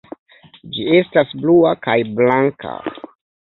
Ĝi estas blua kaj blanka.